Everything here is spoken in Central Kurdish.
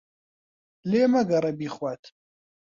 لێ مەگەڕێ بیخوات.